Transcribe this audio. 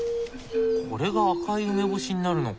これが赤い梅干しになるのか。